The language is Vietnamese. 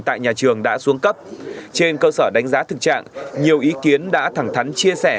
tại nhà trường đã xuống cấp trên cơ sở đánh giá thực trạng nhiều ý kiến đã thẳng thắn chia sẻ